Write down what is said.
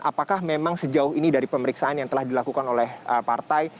apakah memang sejauh ini dari pemeriksaan yang telah dilakukan oleh partai